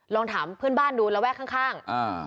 ลองถามเพื่อนบ้านดูแล้วแวะข้าง